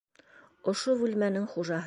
Ошо бүлмәнең хужаһы.